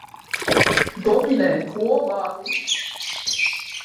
Domine, quo vadis?